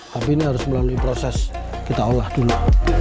tapi ini harus melalui proses kita olah dulu